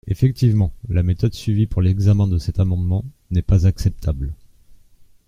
Effectivement, la méthode suivie pour l’examen de cet amendement n’est pas acceptable.